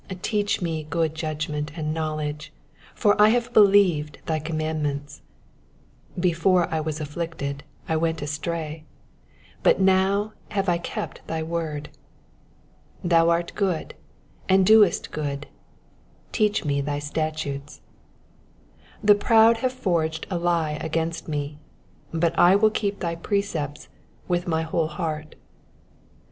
66 Teach me good judgment and knowledge : for I ha\re believed thy commandments. 6/ Before I was afflicted I went astray : but now have I kept thy word. 68 Thou art good, and doest good ; teach me thy statutes. 69 The proud have forged a lie against me : but I will keep thy precepts with my whole heart.